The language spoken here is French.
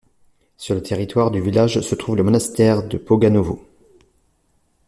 Sur le territoire du village se trouve le monastère de Poganovo.